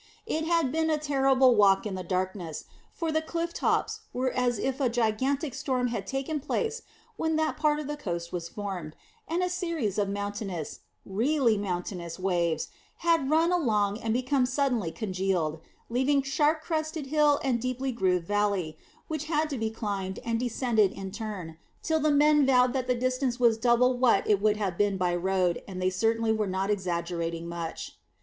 It had been a terrible walk in the darkness, for the cliff tops were as if a gigantic storm had taken place when that part of the coast was formed, and a series of mountainous really mountainous waves had run along and became suddenly congealed, leaving sharp crested hill and deeply grooved valley, which had to be climbed and descended in turn, till the men vowed that the distance was double what it would have been by road, and they certainly were not exaggerating much.